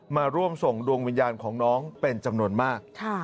มาร่วมส่งดวงวิญญาณของน้องเป็นจำนวนมาก